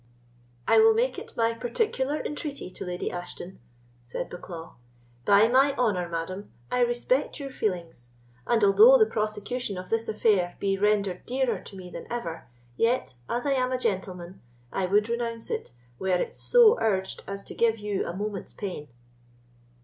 "I will make it my particular entreaty to Lady Ashton," said Bucklaw. "By my honour, madam, I respect your feelings; and, although the prosecution of this affair be rendered dearer to me than ever, yet, as I am a gentleman, I would renounce it, were it so urged as to give you a moment's pain."